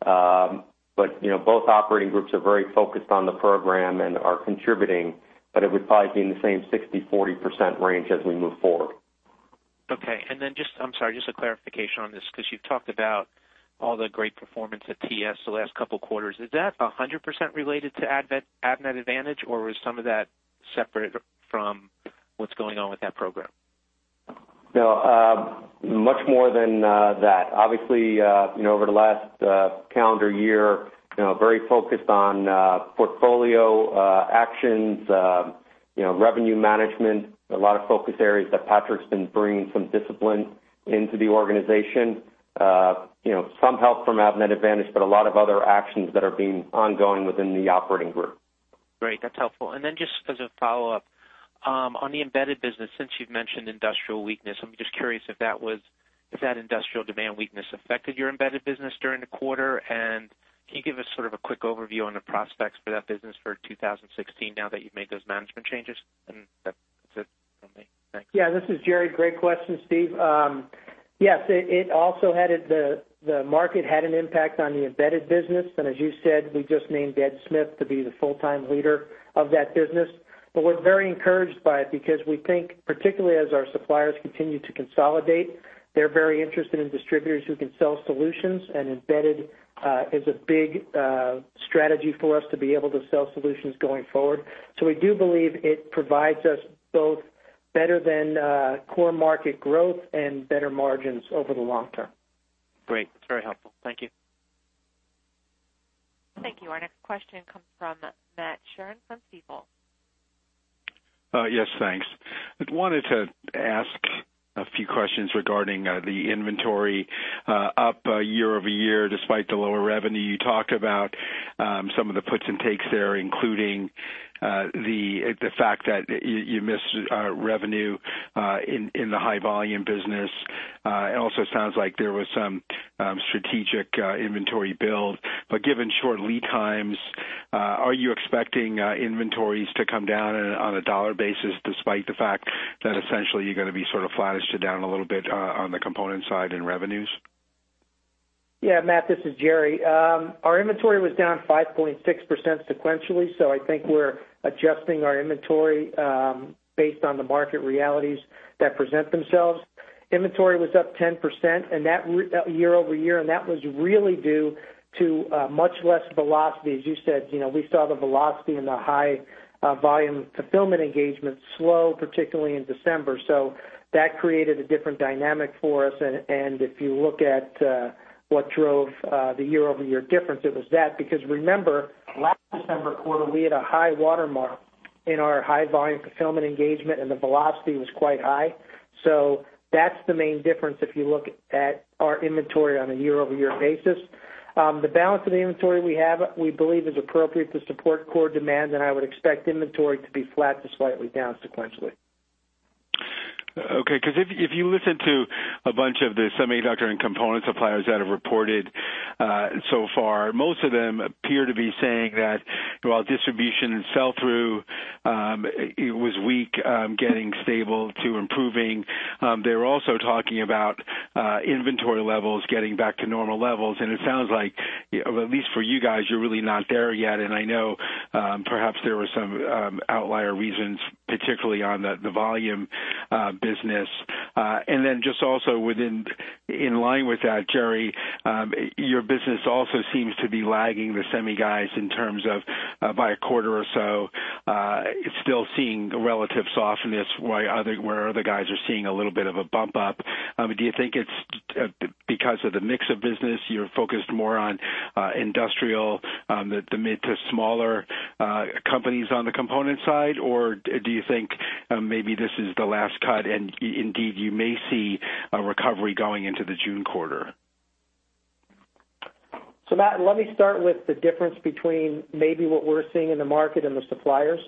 But, you know, both operating groups are very focused on the program and are contributing, but it would probably be in the same 60%/40% range as we move forward. Okay. And then I'm sorry, just a clarification on this, because you've talked about all the great performance at TS the last couple of quarters. Is that 100% related to Avnet, Avnet Advantage, or was some of that separate from what's going on with that program? No, much more than that. Obviously, you know, over the last calendar year, you know, very focused on portfolio actions, you know, revenue management, a lot of focus areas that Patrick's been bringing some discipline into the organization. You know, some help from Avnet Advantage, but a lot of other actions that are being ongoing within the operating group. Great, that's helpful. And then just as a follow-up, on the embedded business, since you've mentioned industrial weakness, I'm just curious if that was, if that industrial demand weakness affected your embedded business during the quarter? And can you give us sort of a quick overview on the prospects for that business for 2016 now that you've made those management changes? And that's it from me. Thanks. Yeah, this is Gerry. Great question, Steve. Yes, the market had an impact on the embedded business, and as you said, we just named Ed Smith to be the full-time leader of that business. But we're very encouraged by it because we think, particularly as our suppliers continue to consolidate, they're very interested in distributors who can sell solutions, and embedded is a big strategy for us to be able to sell solutions going forward. So we do believe it provides us both better than core market growth and better margins over the long term. Great. That's very helpful. Thank you. Thank you. Our next question comes from Matt Sheerin from Stifel. Yes, thanks. I wanted to ask a few questions regarding the inventory up year-over-year, despite the lower revenue. You talked about some of the puts and takes there, including the fact that you missed revenue in the high volume business. It also sounds like there was some strategic inventory build. But given short lead times, are you expecting inventories to come down on a dollar basis, despite the fact that essentially you're gonna be sort of flattish to down a little bit on the component side in revenues? Yeah, Matt, this is Gerry. Our inventory was down 5.6% sequentially, so I think we're adjusting our inventory based on the market realities that present themselves. Inventory was up 10%, and that year-over-year, and that was really due to much less velocity. As you said, you know, we saw the velocity in the high volume fulfillment engagement slow, particularly in December. So that created a different dynamic for us. And if you look at what drove the year-over-year difference, it was that, because remember, last December quarter, we had a high watermark in our high volume fulfillment engagement, and the velocity was quite high. So that's the main difference if you look at our inventory on a year-over-year basis. The balance of the inventory we have, we believe is appropriate to support core demand, and I would expect inventory to be flat to slightly down sequentially. Okay, because if you listen to a bunch of the semiconductor and component suppliers that have reported so far, most of them appear to be saying that while distribution and sell through it was weak, getting stable to improving, they're also talking about inventory levels getting back to normal levels. And it sounds like, at least for you guys, you're really not there yet. And I know, perhaps there were some outlier reasons, particularly on the volume business. And then just also in line with that, Gerry, your business also seems to be lagging the semi guys in terms of by a quarter or so, still seeing a relative softness, where other guys are seeing a little bit of a bump up. Do you think it's because of the mix of business, you're focused more on industrial, the mid to smaller companies on the component side? Or do you think maybe this is the last cut, and indeed, you may see a recovery going into the June quarter? So, Matt, let me start with the difference between maybe what we're seeing in the market and the suppliers.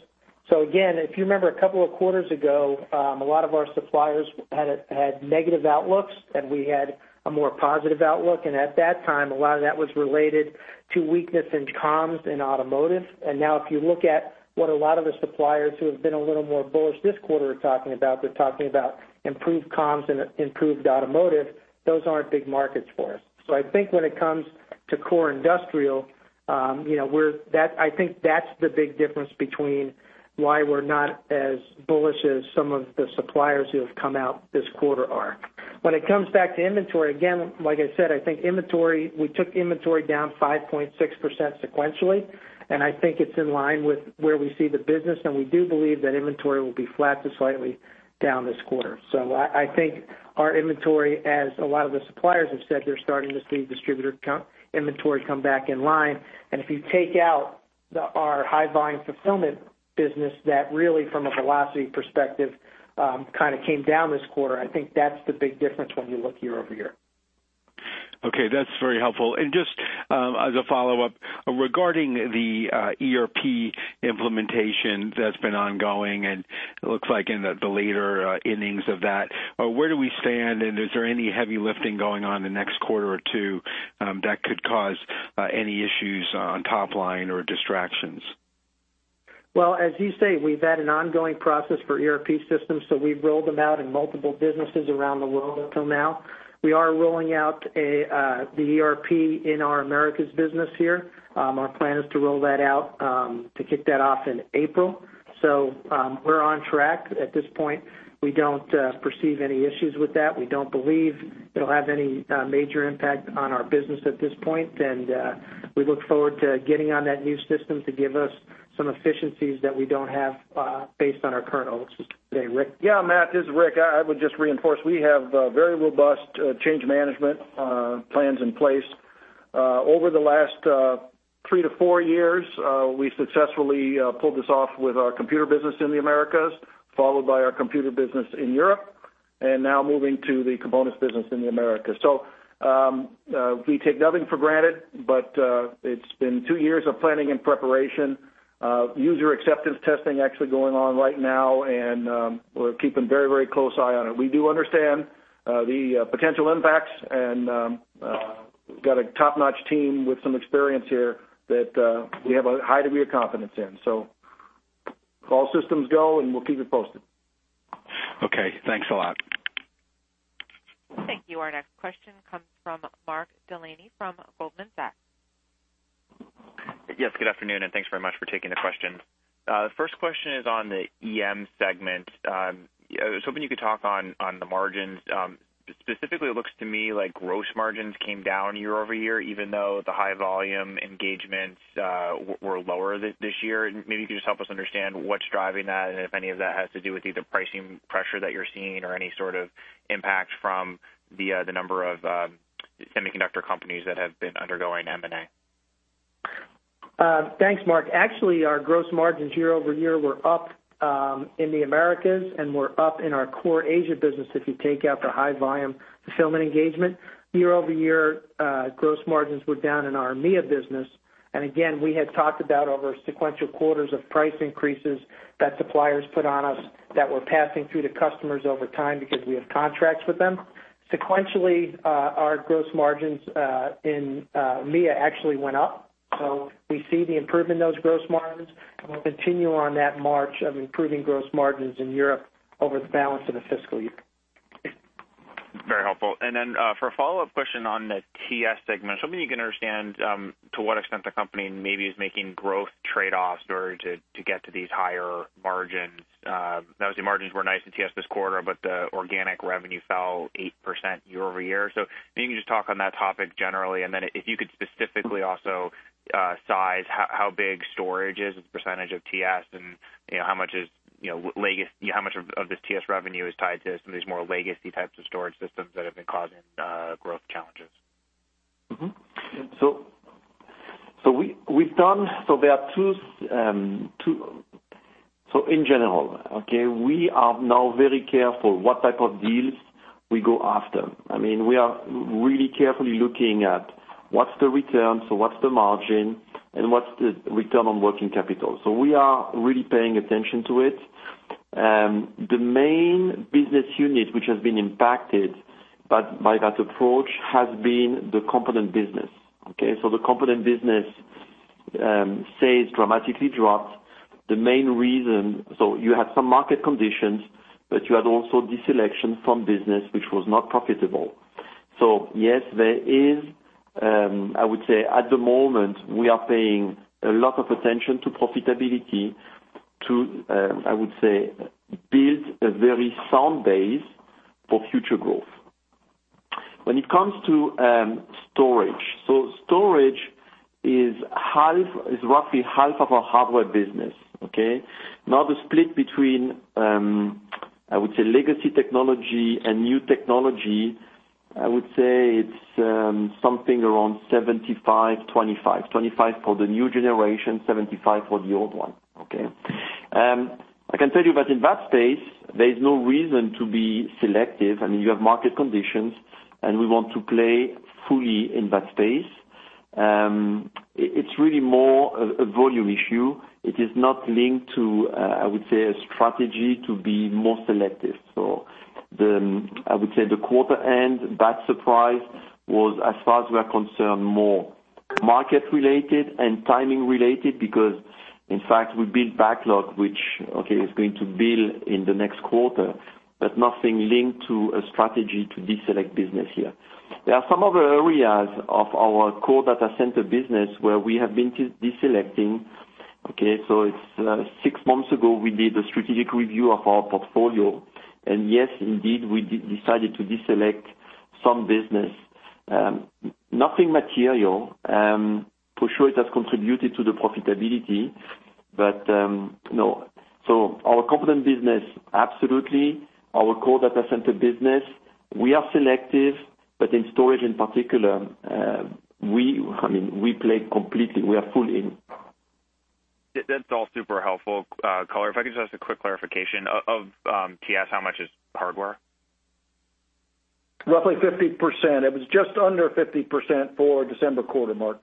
So again, if you remember, a couple of quarters ago, a lot of our suppliers had negative outlooks, and we had a more positive outlook. And at that time, a lot of that was related to weakness in comms and automotive. And now, if you look at what a lot of the suppliers who have been a little more bullish this quarter are talking about, they're talking about improved comms and improved automotive. Those aren't big markets for us. So I think when it comes to core industrial, you know, we're that, I think that's the big difference between why we're not as bullish as some of the suppliers who have come out this quarter are. When it comes back to inventory, again, like I said, I think inventory, we took inventory down 5.6 sequentially, and I think it's in line with where we see the business, and we do believe that inventory will be flat to slightly down this quarter. So I think our inventory, as a lot of the suppliers have said, they're starting to see distributor count, inventory come back in line. And if you take out the, our high volume fulfillment business, that really, from a velocity perspective, kind of came down this quarter. I think that's the big difference when you look year-over-year. Okay, that's very helpful. Just as a follow-up, regarding the ERP implementation that's been ongoing, and it looks like in the later innings of that, where do we stand? Is there any heavy lifting going on in the next quarter or two that could cause any issues on top line or distractions? Well, as you say, we've had an ongoing process for ERP systems, so we've rolled them out in multiple businesses around the world until now. We are rolling out a, the ERP in our Americas business here. Our plan is to roll that out, to kick that off in April. So, we're on track. At this point, we don't perceive any issues with that. We don't believe it'll have any major impact on our business at this point, and, we look forward to getting on that new system to give us some efficiencies that we don't have, based on our current system today. Rick? Yeah, Matt, this is Rick. I, I would just reinforce, we have a very robust change management plans in place. Over the last three-to-four years, we successfully pulled this off with our computer business in the Americas, followed by our computer business in Europe. And now moving to the components business in the Americas. So, we take nothing for granted, but, it's been two years of planning and preparation. User acceptance testing actually going on right now, and, we're keeping a very, very close eye on it. We do understand, the potential impacts, and, we've got a top-notch team with some experience here that, we have a high degree of confidence in. So all systems go, and we'll keep you posted. Okay, thanks a lot. Thank you. Our next question comes from Mark Delaney from Goldman Sachs. Yes, good afternoon, and thanks very much for taking the question. The first question is on the EM segment. I was hoping you could talk on, on the margins. Specifically, it looks to me like gross margins came down year-over-year, even though the high volume engagements were lower this year. Maybe you can just help us understand what's driving that, and if any of that has to do with either pricing pressure that you're seeing or any sort of impact from the number of semiconductor companies that have been undergoing M&A. Thanks, Mark. Actually, our gross margins year-over-year were up in the Americas and were up in our core Asia business, if you take out the high volume fulfillment engagement. Year-over-year, gross margins were down in our EMEA business, and again, we had talked about, over sequential quarters, of price increases that suppliers put on us that we're passing through to customers over time because we have contracts with them. Sequentially, our gross margins in EMEA actually went up, so we see the improvement in those gross margins, and we'll continue on that march of improving gross margins in Europe over the balance of the fiscal year. Very helpful. And then, for a follow-up question on the TS segment, I was hoping you can understand to what extent the company maybe is making growth trade-offs in order to, to get to these higher margins. Obviously, margins were nice in TS this quarter, but the organic revenue fell 8% year-over-year. So maybe you can just talk on that topic generally, and then if you could specifically also size how big storage is as a percentage of TS, and, you know, how much of this TS revenue is tied to some of these more legacy types of storage systems that have been causing growth challenges? So in general, we are now very careful what type of deals we go after. I mean, we are really carefully looking at what's the return, so what's the margin, and what's the return on working capital? So we are really paying attention to it. The main business unit, which has been impacted by that approach, has been the component business, okay? So the component business sales dramatically dropped. The main reason, so you had some market conditions, but you had also deselection from business, which was not profitable. So yes, there is, I would say at the moment, we are paying a lot of attention to profitability to, I would say, build a very sound base for future growth. When it comes to storage, so storage is half, is roughly half of our hardware business, okay? Now, the split between, I would say, legacy technology and new technology, I would say it's something around 75/25. 25 for the new generation, 75 for the old one, okay? I can tell you that in that space, there's no reason to be selective. I mean, you have market conditions, and we want to play fully in that space. It's really more a volume issue. It is not linked to, I would say, a strategy to be more selective. So the, I would say, the quarter end, that surprise was, as far as we're concerned, more market-related and timing-related because, in fact, we build backlog, which, okay, is going to build in the next quarter, but nothing linked to a strategy to deselect business here. There are some other areas of our core data center business where we have been deselecting, so it's six months ago, we did a strategic review of our portfolio, and yes, indeed, we decided to deselect some business. Nothing material, for sure, it has contributed to the profitability, but no. So our component business, absolutely. Our core data center business, we are selective, but in storage, in particular, I mean, we play completely. We are full in. That's all super helpful color. If I could just a quick clarification. Of TS, how much is hardware? Roughly 50%. It was just under 50% for December quarter, Mark.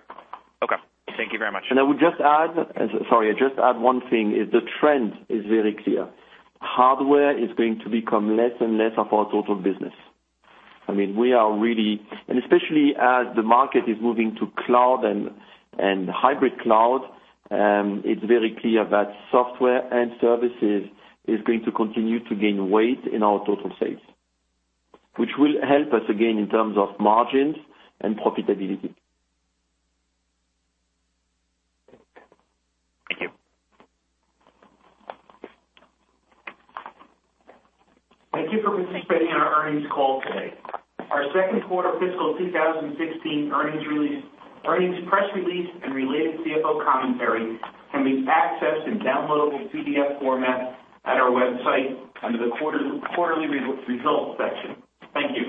Okay. Thank you very much. I would just add one thing: the trend is very clear. Hardware is going to become less and less of our total business. I mean, we are really, and especially as the market is moving to cloud and hybrid cloud, it's very clear that software and services is going to continue to gain weight in our total sales, which will help us again in terms of margins and profitability. Thank you. Thank you for participating in our earnings call today. Our second quarter fiscal 2016 earnings release, earnings press release, and related CFO commentary can be accessed in downloadable PDF format at our website under the quarter, Quarterly Results section. Thank you.